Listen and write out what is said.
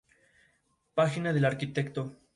Se encuentra en Kirguistán.